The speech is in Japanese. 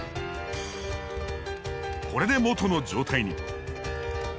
これで元の状態に。